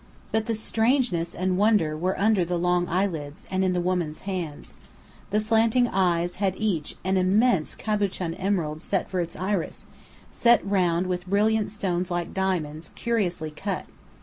But the strangeness and wonder were under the long eyelids, and in the woman's hands. The slanting eyes had each an immense cabuchon emerald for its iris, set round with brilliant stones like diamonds, curiously cut.